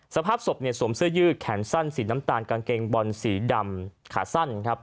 สภาพศพเนี่ยสวมเสื้อยืดแขนสั้นสีน้ำตาลกางเกงบอลสีดำขาสั้นครับ